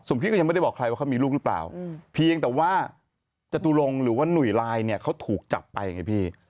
พี่ก็ยังไม่ได้บอกใครว่าเขามีลูกหรือเปล่าเพียงแต่ว่าจตุรงค์หรือว่าหนุ่ยลายเนี่ยเขาถูกจับไปไงพี่